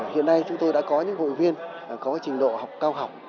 hiện nay chúng tôi đã có những hội viên có trình độ học cao học